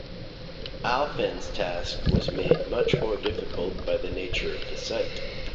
Alphand's task was made much more difficult by the nature of the site.